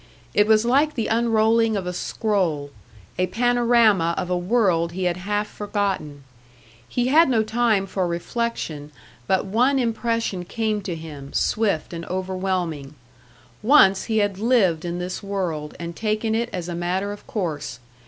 It was like the unrolling of a scroll; a panorama of a world he had half forgotten. He had no time for reflection, but one impression came to him, swift and overwhelming. Once he had lived in this world and taken it as a matter of course.